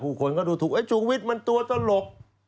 ผู้คนเขาดูถูกจุกวิทย์มันตัวตลก